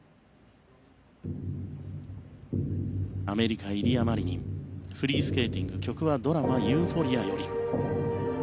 アメリカ、イリア・マリニンフリースケーティング曲はドラマ「ユーフォリア」より。